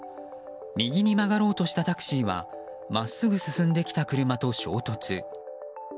右に曲がろうとしたタクシーは真っすぐ進んできた車と衝突。